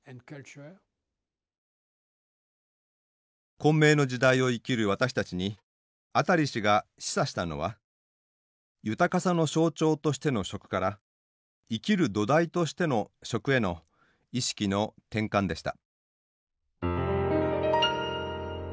混迷の時代を生きる私たちにアタリ氏が示唆したのは豊かさの象徴としての「食」から生きる土台としての「食」への意識の転換でした。